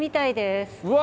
うわ！